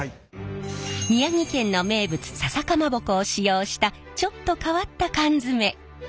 宮城県の名物ささかまぼこを使用したちょっと変わった缶詰。